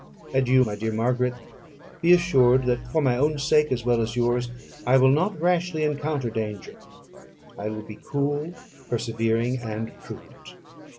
Adieu, my dear Margaret. Be assured, that for my own sake, as well as yours, I will not rashly encounter danger. I will be cool, persevering, and prudent.